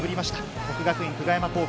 國學院久我山高校。